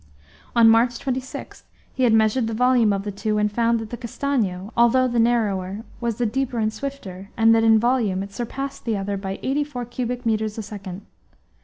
On March 26 he had measured the volume of the two, and found that the Castanho, although the narrower, was the deeper and swifter, and that in volume it surpassed the other by 84 cubic metres a second.